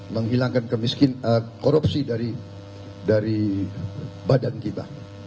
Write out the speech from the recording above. menghilangkan kemiskinan korupsi dari badan kita